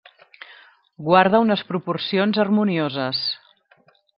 Guarda unes proporcions harmonioses.